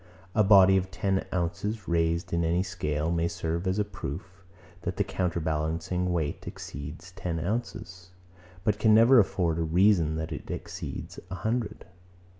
A body of ten ounces raised in any scale may serve as a proof, that the counterbalancing weight exceeds ten ounces; but can never afford a reason that it exceeds a hundred.